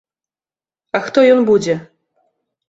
А хто ён будзе?